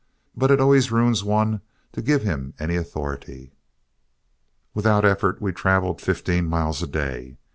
But it always ruins one to give him any authority." Without effort we traveled fifteen miles a day.